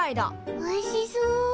おいしそう。